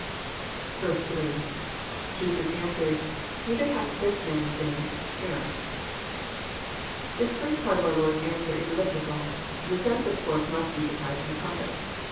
8. — [^Jesus answered, Neither hath this man sinned... parents,"] This first part of our Lord's answer is elliptical. The sense of course must be supplied from the context.